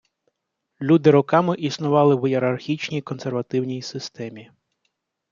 Люди роками існували в ієрархічній, консервативній системі.